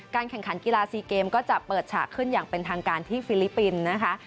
แข่งขันกีฬาซีเกมก็จะเปิดฉากขึ้นอย่างเป็นทางการที่ฟิลิปปินส์นะคะ